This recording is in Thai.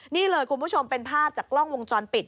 นี่เลยคุณผู้ชมเป็นภาพจากกล้องวงจรปิด